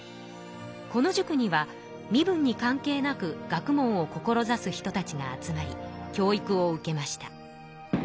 この塾には身分に関係なく学問を志す人たちが集まり教育を受けました。